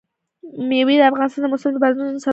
مېوې د افغانستان د موسم د بدلون سبب کېږي.